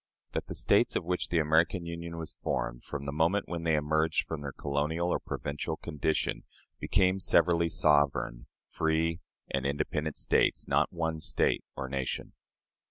That the States of which the American Union was formed, from the moment when they emerged from their colonial or provincial condition, became severally sovereign, free, and independent States not one State, or nation.